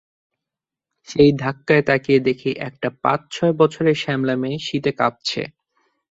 সেই ধাক্কায় তাকিয়ে দেখি, একটা পাঁচ-ছয় বছরের শ্যামলা মেয়ে, শীতে কাঁপছে।